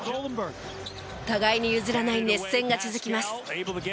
互いに譲らない熱戦が続きます。